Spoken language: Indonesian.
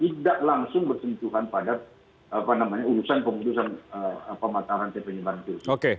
yang tidak langsung bersentuhan pada urusan pemutusan pemataran tpn bantul